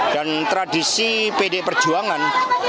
dan tradisi pd perjuangan